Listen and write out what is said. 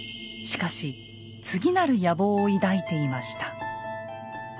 しかし次なる野望を抱いていました。